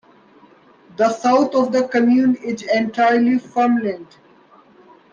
The south of the commune is entirely farmland.